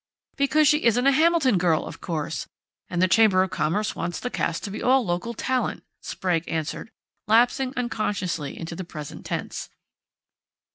"Because she isn't a Hamilton girl, of course, and the Chamber of Commerce wants the cast to be all local talent," Sprague answered, lapsing unconsciously into the present tense.